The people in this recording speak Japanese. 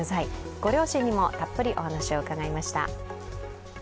ご両親にもたっぷりお話を伺いました。